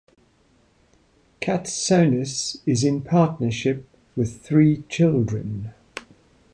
Katsonis is in partnership with three children.